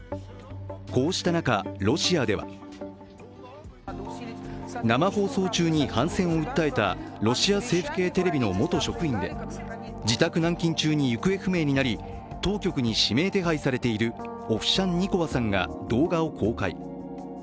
こうした中、ロシアでは、生放送中に反戦を訴えたロシア政府系のテレビの元職員で自宅軟禁中に行方不明になり、当局に指名手配されているオフシャンニコワさんが動画を公開。